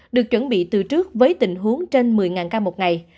được chuẩn bị từ trước với tình huống trên một mươi ca một ngày